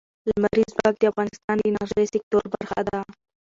لمریز ځواک د افغانستان د انرژۍ سکتور برخه ده.